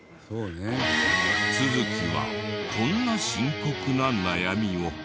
都築はこんな深刻な悩みを。